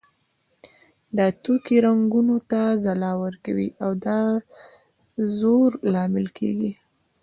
دا توکي رنګونو ته ځلا ورکوي او د زرو لامل کیږي.